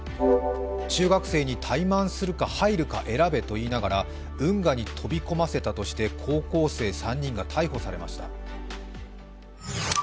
中学生にタイマンするか入るか選べと言いながら運河に飛び込ませたとして高校生３人が逮捕されました。